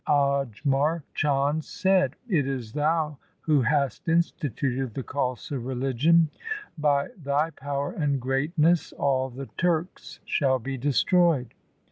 Ajmer Chand said, ' It is thou who hast instituted the Khalsa religion. By thy power and greatness all the Turks shall be destroyed.'